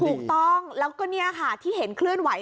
ถูกต้องแล้วก็นี่ค่ะที่เห็นเคลื่อนไหว